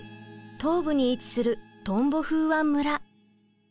東部に位置するトンボフーワン村。